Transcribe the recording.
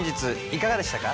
いかがでしたか？